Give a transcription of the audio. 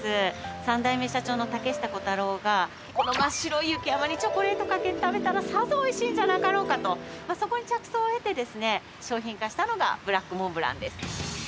３代目社長の竹下小太郎がこの真っ白い雪山にチョコレートかけて食べたら、さぞおいしいんじゃなかろうかと、そこに着想を得てですね、商品化したのがブラックモンブランです。